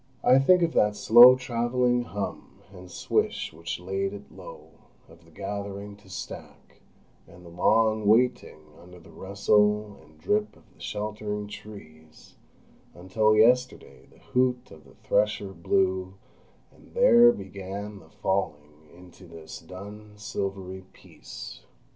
I think of that slow travelling hum and swish which laid it low, of the gathering to stack, and the long waiting under the rustle and drip of the sheltering trees, until yesterday the hoot of the thresher blew, and there began the falling into this dun silvery peace.